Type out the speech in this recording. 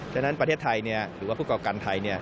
ฉะนั้นประเทศไทยหรือว่าผู้ก่อการไทย